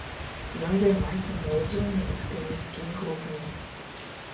Ён займаецца моладзевымі экстрэмісцкімі групамі.